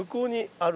ある？